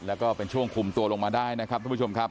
แล้วก็เป็นช่วงคุมตัวลงมาได้นะครับทุกผู้ชมครับ